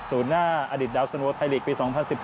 สู่หน้าอดิษฐ์ดาวสันโวท์ไทยลีกปี๒๐๑๗